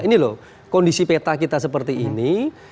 ini loh kondisi peta kita seperti ini